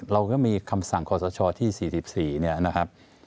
เราก็มีคำสั่งขอสชที่๔๔เนี่ยนะครับ